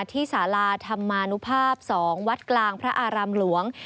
ที่สาราธรรมานุภาพ๒วัดกลางพระอารามหลวง